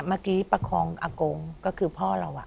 เมื่อกี้ประคองอากงก็คือพ่อเรา